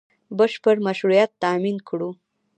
بشپړ مشروعیت تامین کړو